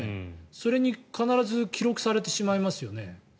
それに必ず記録されてしまいますよね。